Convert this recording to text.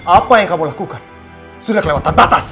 apa yang kamu lakukan sudah kelewatan batas